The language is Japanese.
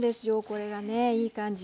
これがねいい感じ！